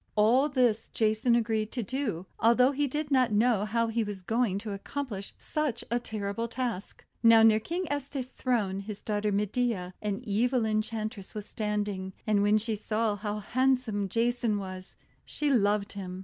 All this Jason agreed to do, although he did not know how he was going to accomplish such a terrible task. Now near King Petes' throne his daughter Medea, an evil Enchantress, was standing. And when she saw how handsome Jason was, she loved him.